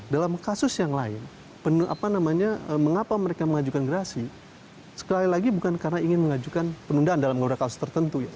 dalam kasus yang lain mengapa mereka mengajukan gerasi sekali lagi bukan karena ingin mengajukan penundaan dalam beberapa kasus tertentu